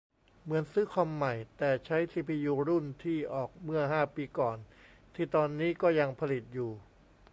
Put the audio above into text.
เหมือนซื้อคอมใหม่ แต่ใช้ซีพียูรุ่นที่ออกเมื่อห้าปีก่อน ที่ตอนนี้ก็ยังผลิตอยู่